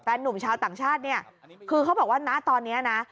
หนุ่มชาวต่างชาติเนี่ยคือเขาบอกว่าณตอนนี้นะ